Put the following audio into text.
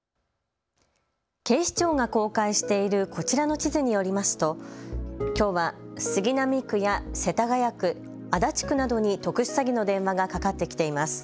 警視庁が公開しているこちらの地図によりますときょうは、杉並区や世田谷区、足立区などに特殊詐欺の電話がかかってきています。